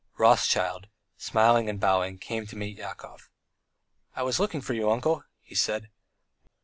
Rothschild, smiling and bowing, came to meet Yakov. "I was looking for you, uncle," he said.